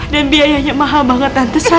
dan biayanya mahal banget tante